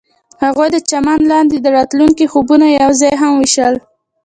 هغوی د چمن لاندې د راتلونکي خوبونه یوځای هم وویشل.